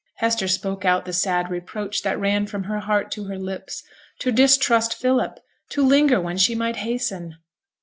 Hester spoke out the sad reproach that ran from her heart to her lips. To distrust Philip! to linger when she might hasten!